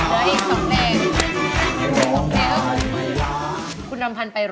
วันนี้พวกเราทุกคนขอลาไปก่อนนะครับ